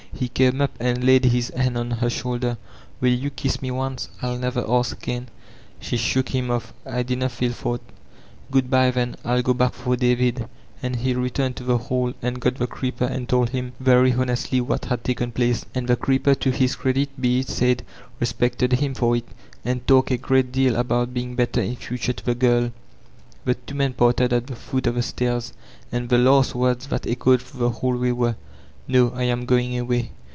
He came up and laid his hand on her shoulder. ''Will ]rou kiss me once? I'll never ask again." She shook him off: "I dinna fed for't" ''Good bye then. I'U go back for David." And he returned to the hall and got the creeper and told him very honestly what had taken place ; and the cre ep er, to his credit be it said, respected him for it, and talked a great deal about being better in future to the girL The two men parted at the foot of the stairs, and the last words that echoed through the hallway were: "No, I am going away.